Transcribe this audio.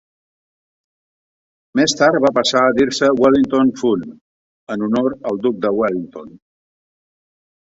Més tard va passar a dir-se Wellington Fund, en honor al duc de Wellington.